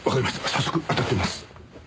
早速当たってみます。